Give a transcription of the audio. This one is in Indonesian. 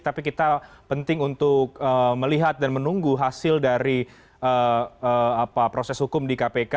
tapi kita penting untuk melihat dan menunggu hasil dari proses hukum di kpk